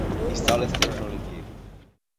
ისწავლეთ ტექნოლოგიები